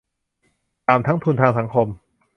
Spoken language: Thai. ต่ำทั้งทุนทางสังคม